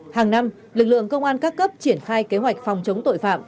hàng năm lực lượng công an các cấp triển khai kế hoạch phòng chống tội phạm